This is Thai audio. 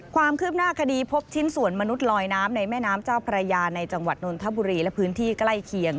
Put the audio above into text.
ความคืบหน้าคดีพบชิ้นส่วนมนุษย์ลอยน้ำในแม่น้ำเจ้าพระยาในจังหวัดนนทบุรีและพื้นที่ใกล้เคียง